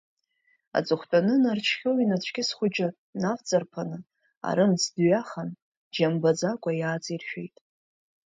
Аҵыхәтәаны Нарџьхьоу инацәкьыс хәыҷы навҵарԥаны арымӡ дҩахан, џьа мбаӡакәа иааҵиршәеит.